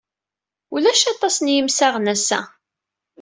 Ulac aṭas n yimsaɣen ass-a.